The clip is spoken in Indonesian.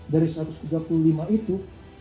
dari satu ratus tiga puluh lima itu